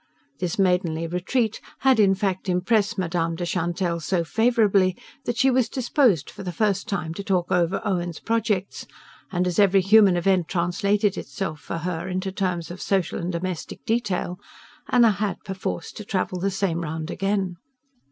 This maidenly retreat had in fact impressed Madame de Chantelle so favourably that she was disposed for the first time to talk over Owen's projects; and as every human event translated itself for her into terms of social and domestic detail, Anna had perforce to travel the same round again.